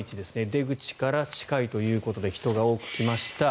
出口から近いということで人が多く来ました。